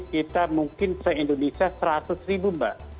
kita mungkin se indonesia seratus ribu mbak